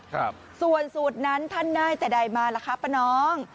ครับส่วนสูตรนั้นท่านนายจะได้มาละคะป้านอง